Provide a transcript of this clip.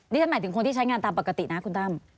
นี่ฉันหมายถึงคนที่ใช้งานตามปกตินะคุณตั้ม